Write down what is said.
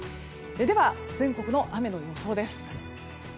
では、全国の雨の予想です。